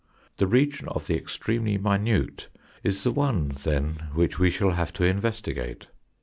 The region of the extremely minute is the one, then, which we shall have to investigate.